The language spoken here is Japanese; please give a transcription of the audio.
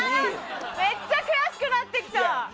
めっちゃ悔しくなってきた！